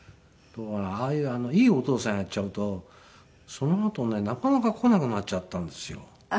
ああいういいお父さんやっちゃうとそのあとねなかなか来なくなっちゃったんですよ。